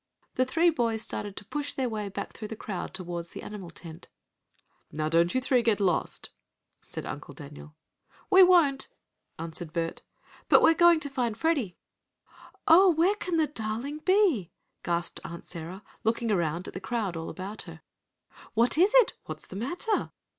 The three boys started to push their way back through the crowd toward the animal tent. "Now don't you three get lost," said Uncle Daniel. "We won't!" answered Bert, "but we're going to find Freddie!" "Oh, where can the darling be?" gasped Aunt Sarah, looking around at the crowd all about her. "What is it? What's the matter?"